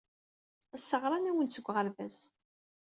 Ass-a ɣran-awen-d seg uɣerbaz.